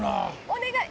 お願い！